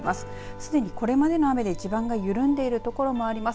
すでにこれまでの雨で地盤が緩んでいるところもあります。